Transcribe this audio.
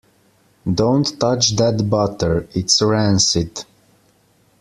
Don't touch that butter. It's rancid!